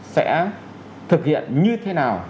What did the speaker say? sẽ thực hiện như thế nào